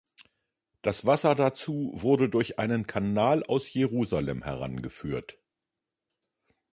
Das Wasser dazu wurde durch einen Kanal aus Jerusalem herangeführt.